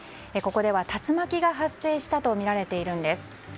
ここでは竜巻が発生したとみられているんです。